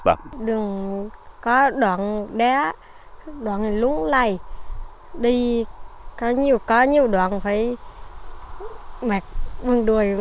đường có đoạn đá đoạn lúng lầy đi có nhiều đoạn phải mặc quần đuôi